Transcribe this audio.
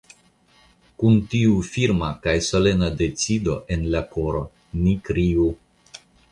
Kun tiu firma kaj solena decido en la koro ni kriu.